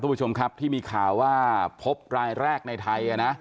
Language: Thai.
โอมิครอนที่มีข่าวว่าพบรายแรกในไทย